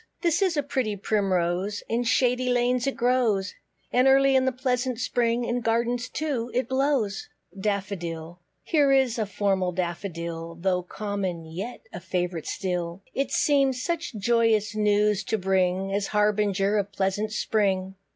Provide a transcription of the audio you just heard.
This is a pretty Primrose, In shady lanes it grows; And early in the pleasant spring, In gardens too it blows. DAFFODIL. Here is a formal Daffodil, Though common, yet a favourite still; It seems such joyous news to bring, As harbinger of pleasant Spring.